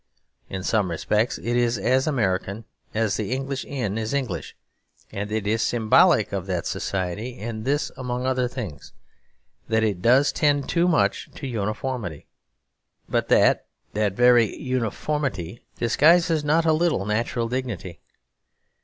In some respects it is as American as the English inn is English. And it is symbolic of that society in this among other things: that it does tend too much to uniformity; but that that very uniformity disguises not a little natural dignity.